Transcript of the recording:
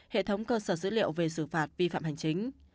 hệ thống cơ sở dữ liệu về xử phạt vi phạm hành chính